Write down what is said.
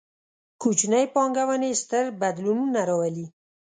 کوچنۍ پانګونې، ستر بدلونونه راولي